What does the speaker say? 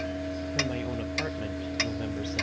From my own Apartment, November 17.